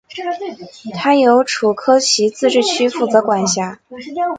它由楚科奇自治区负责管辖。